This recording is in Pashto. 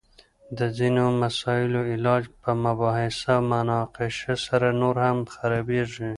د ځینو مسائلو علاج په مباحثه او مناقشه سره نور هم خرابیږي!